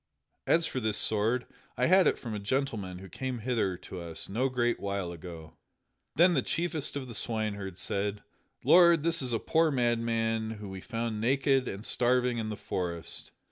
As for this sword, I had it from a gentleman who came hither to us no great while ago." Then the chiefest of the swineherds said: "Lord, this is a poor madman whom we found naked and starving in the forest.